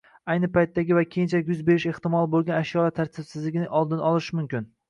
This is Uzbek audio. ayni paytdagi va keyinchalik yuz berishi ehtimoli bo‘lgan ashyolar tartibsizligining oldini olish mumkin.